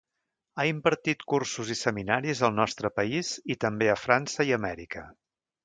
Ha impartit cursos i seminaris al nostre país i també a França i Amèrica.